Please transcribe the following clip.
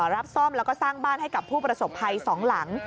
รับซ่อมแล้วก็สร้างบ้านให้กับผู้ประสบภัย๒หลัง